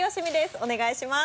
お願いします。